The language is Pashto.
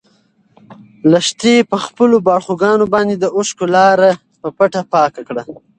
لښتې په خپلو باړخوګانو باندې د اوښکو لاره په پټه پاکه کړه.